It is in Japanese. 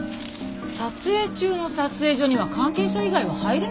撮影中の撮影所には関係者以外は入れないはずよ。